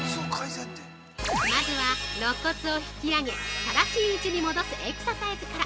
◆まずは、ろっ骨を引き上げ、正しい位置に戻すエクササイズから。